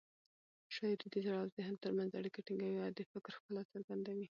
شاعري د زړه او ذهن تر منځ اړیکه ټینګوي او د فکر ښکلا څرګندوي.